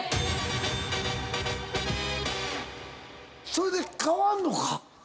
それで変わんのか？